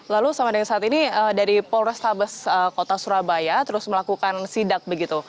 lalu sama dengan saat ini dari polrestabes kota surabaya terus melakukan sidak begitu